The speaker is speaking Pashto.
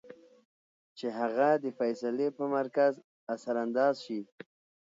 چې هغه د فېصلې پۀ مرکز اثر انداز شي -